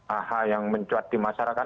ah yang mencuat di masyarakat